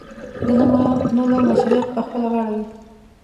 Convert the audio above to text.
د نه منلو مسوولیت پخپله غاړه وي.